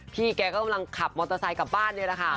พี่แกก็กำลังขับมอเตอร์ไซค์กลับบ้านนี่แหละค่ะ